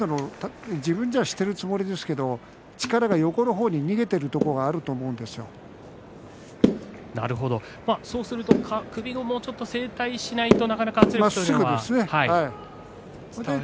自分ではしているつもりですけど力が横の方に逃げているところがそうすると首をもうちょっと正対しないとなかなか圧力というのは。